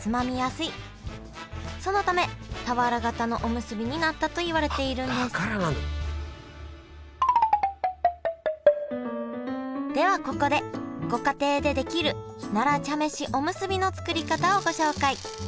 そのため俵型のおむすびになったといわれているんですではここでご家庭でできる奈良茶飯おむすびの作り方をご紹介。